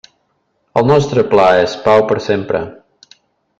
El nostre pla és pau per sempre.